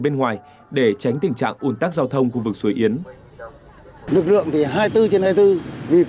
bên ngoài để tránh tình trạng ồn tắc giao thông khu vực suối yến lực lượng thì hai tư trên hai tư vì